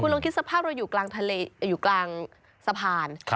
คุณลงคิดสภาพเราอยู่กลางสะพาน